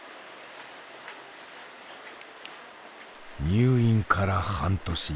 入院から半年。